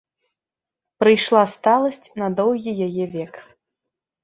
Прыйшла сталасць на доўгі яе век.